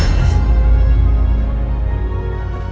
kasih tau gak